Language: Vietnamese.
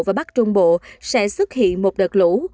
và bắc trung bộ sẽ xuất hiện một đợt lũ